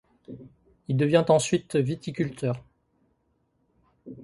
Il devient ensuite viticulteur.